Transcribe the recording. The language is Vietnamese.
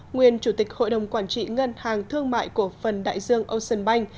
nguyên chủ tịch hội đồng quản trị ngân hàng thương mại cổ phần đại dương ocean bank